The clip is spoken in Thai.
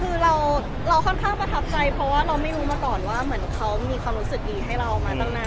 คือเราค่อนข้างประทับใจเพราะว่าเราไม่รู้มาก่อนว่าเหมือนเขามีความรู้สึกดีให้เรามาตั้งนาน